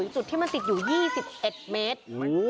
จุดที่มันติดอยู่๒๑เมตร